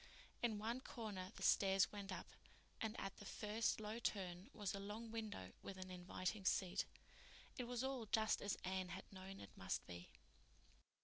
In one corner the stairs went up, and at the first low turn was a long window with an inviting seat. It was all just as Anne had known it must be.